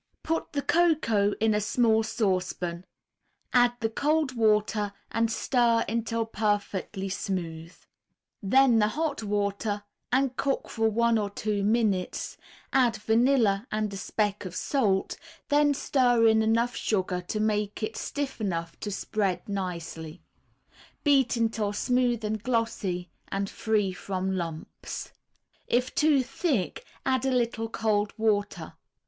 Put the cocoa in a small saucepan; add the cold water and stir until perfectly smooth; then the hot water, and cook for one or two minutes, add vanilla and a speck of salt, then stir in enough sugar to make it stiff enough to spread nicely. Beat until smooth and glossy and free from lumps. If too thick, add a little cold water.